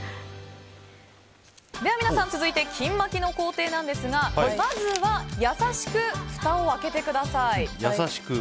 皆さん、続いて金まきの工程ですがまずは優しくふたを開けてください。